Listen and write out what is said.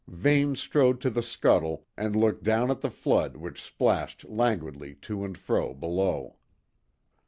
Vane strode to the scuttle and looked down at the flood which splashed languidly to and fro below.